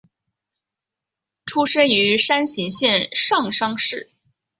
出身于山形县上山市。